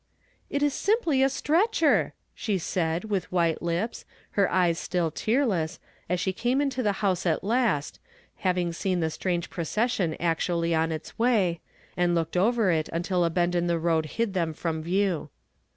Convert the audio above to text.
" It is simply a stretcher I " she said, with white lips, her eyes still tearless, as she came into the house at last, having seen the strange procession actually on its way; and looked after it until a 28 YESTERDAY FRAMED IN TO DAY. bend in the road hid them from view.